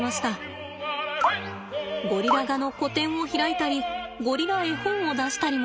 ゴリラ画の個展を開いたりゴリラ絵本を出したりも。